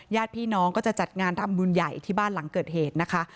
ญาติพี่น้องก็จะจัดงานทำบุญใหญ่ที่บ้านหลังเกิดเหตุนะคะ